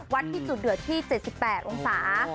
ที่จุดเดือดที่๗๘องศา